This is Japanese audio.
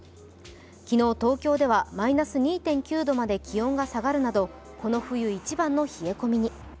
昨日、東京ではマイナス２．９度まで気温が下がるなどこの冬一番の冷え込みに。